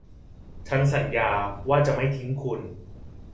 ฉันสัญญาว่าจะไม่ทิ้งคุณ